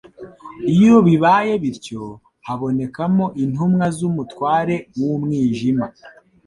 iyo bibaye bityo, habonekamo intumwa z'umutware w'umwijima,